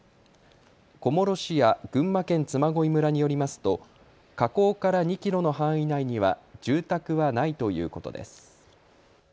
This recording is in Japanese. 小諸市や群馬県嬬恋村によりますと火口から２キロの範囲内には住宅はないということです。